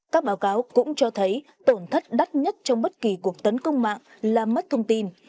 các báo cáo cũng cho thấy tổn thất đắt nhất trong bất kỳ cuộc tấn công mạng là mất thông tin